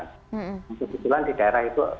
untuk kejadian di daerah itu